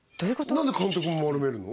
何で監督も丸めるの？